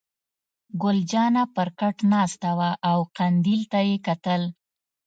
ګل جانه پر کټ ناسته وه او قندیل ته یې کتل.